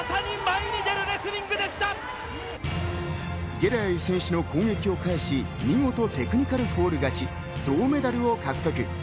ゲラエイ選手の攻撃を返し、見事テクニカルフォール勝ち、銅メダルを獲得。